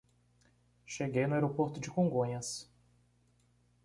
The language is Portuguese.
Cheguei no aeroporto de Congonhas